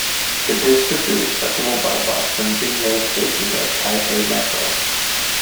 The district is accessible by bus from Jingmei Station of Taipei Metro.